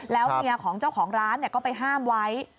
แล้วเมียของเจ้าของร้านก็ไปห้ามไว้